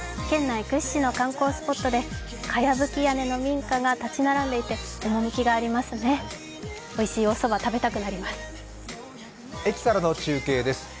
県内屈指の観光スポットでかやぶき屋根の民家が建ち並んでて趣がありますね、おいしいおそば、食べたくなります。